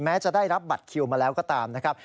จะได้รับบัตรคิวมาแล้วก็ตามนะครับ